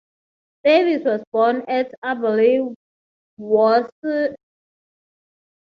Davies was born at Abberley, Worcestershire.